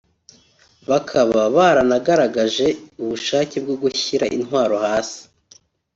Bakaba baranagaraje ubushake bwo gushyira intwaro hasi